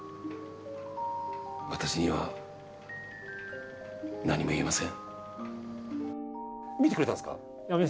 私には何も言えません。